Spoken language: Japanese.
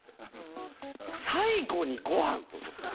最後にごはん？と思って。